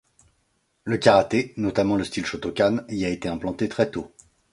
Le karaté, notamment le style Shotokan, y a été implanté très tôt.